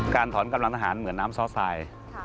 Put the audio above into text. ถอนกำลังทหารเหมือนน้ำซ้อทราย